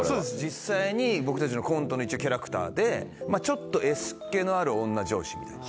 実際に僕たちのコントの一応キャラクターでちょっとＳっ気のある女上司みたいな。